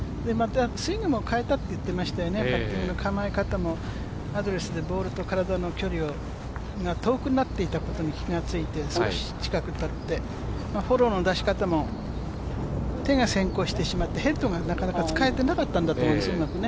スイングも変えたって言っていましたよね、構え方もアドレスでボールと体の距離を遠くなっていたことに気がついて、少し近くに立ってフォローの出し方も手が先行してしまってヘッドがなかなかうまく使えていなかったんだと思うんですね。